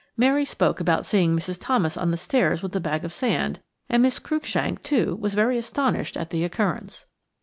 Mary spoke about seeing Mrs. Thomas on the stairs with the bag of sand, and Miss Cruikshank, too, was very astonished at the occurrence.